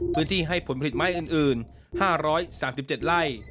พื้นที่ให้ผลผลิตไม้อื่น๕๓๗ไร่